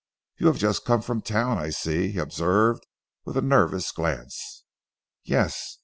"You have just come from town I see," he observed with a nervous glance. "Yes!